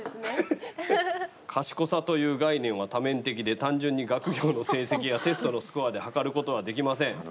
「賢さという概念は多面的で単純に学業の成績やテストのスコアで測ることはできません」。